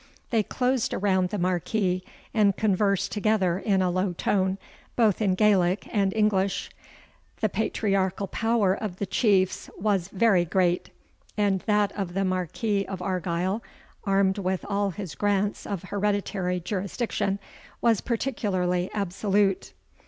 They closed around the Marquis, and conversed together in a low tone, both in Gaelic and English. The patriarchal power of the Chiefs was very great, and that of the Marquis of Argyle, armed with all his grants of hereditary jurisdiction, was particularly absolute.